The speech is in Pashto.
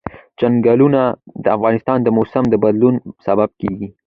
چنګلونه د افغانستان د موسم د بدلون سبب کېږي.